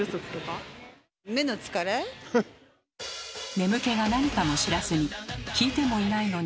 眠気がなにかも知らずに聞いてもいないのに。